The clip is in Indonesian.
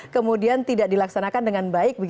kemudian tidak dilaksanakan dengan baik